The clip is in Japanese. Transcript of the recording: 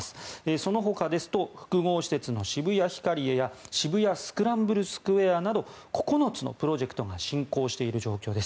そのほかですと複合施設の渋谷ヒカリエや渋谷スクランブルスクエアなど９つのプロジェクトが進行している状況です。